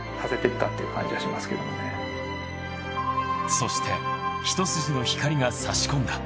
そして一筋の光が差し込んだ。